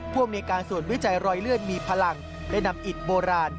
อำนวยการส่วนวิจัยรอยเลือดมีพลังได้นำอิตโบราณ